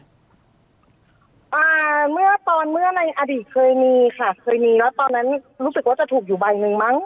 อ่าเมื่อตอนเมื่อในอดีตเคยมีค่ะเคยมีเนอะตอนนั้นรู้สึกว่าจะถูกอยู่ใบหนึ่งมั้ง